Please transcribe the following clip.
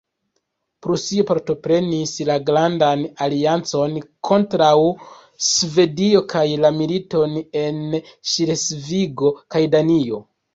Prusio partoprenis la grandan aliancon kontraŭ Svedio kaj la militon en Ŝlesvigo kaj Danio.